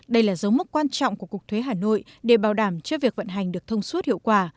đây là dấu mốc quan trọng của cục thuế hà nội để bảo đảm cho việc vận hành được thông suốt hiệu quả